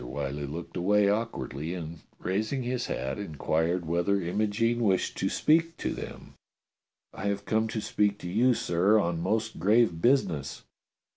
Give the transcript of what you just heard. Whyllie looked away awkwardly and, raising his hat, inquired whether Imogene wished to speak to them. "I have come to speak to you, sir, on most grave business."